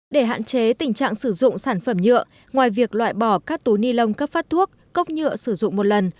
để hạn chế tình trạng sử dụng sản phẩm nhựa ngoài việc loại bỏ các túi ni lông cấp phát thuốc cốc nhựa sử dụng một lần